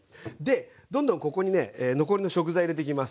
どんどんここにね残りの食材入れてきます。